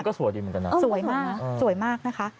ก็สวยดีเหมือนกันนะสวยมากนะสวยมากนะคะ